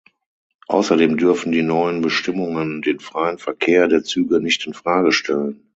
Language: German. Außerdem dürfen die neuen Bestimmungen den freien Verkehr der Züge nicht in Frage stellen.